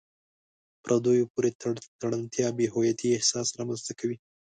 پردیو پورې تړلتیا د بې هویتۍ احساس رامنځته کوي.